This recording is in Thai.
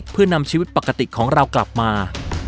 เพื่อนำชีวิตปกติของเรากลับมา